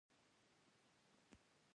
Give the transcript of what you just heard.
د مثانې د سوزش لپاره د کومې میوې اوبه وڅښم؟